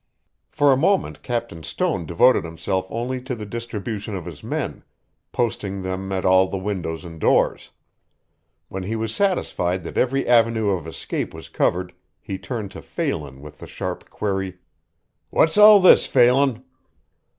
For a moment Captain Stone devoted himself only to the distribution of his men, posting them at all the windows and doors. When he was satisfied that every avenue of escape was covered he turned to Phelan with the sharp query: "What's all this, Phelan?"